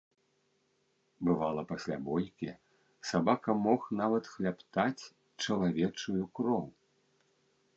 Бывала, пасля бойкі сабака мог нават хлябтаць чалавечую кроў.